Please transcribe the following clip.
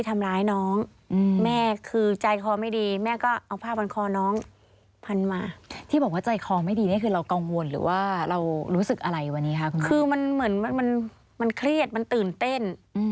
มันเครียดมันตื่นเต้น